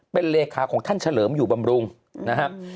เป็นเลขาของท่านเฉลิมอยู่บำรุงนะครับ